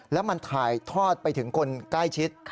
แล้วมันถ่ายทอดไปถึงคนใกล้ชิด